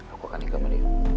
aku akan nikah sama dia